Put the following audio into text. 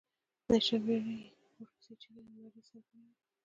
نشه مېړه یې ورپسې چيغې او نارې سر کړې وې.